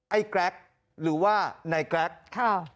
ไอ้แกร๊กหรือว่าในแกร๊กครับ